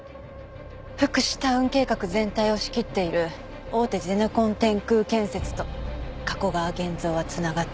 福祉タウン計画全体を仕切っている大手ゼネコン天空建設と加古川源蔵は繋がっている。